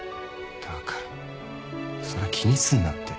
だからそれは気にすんなって。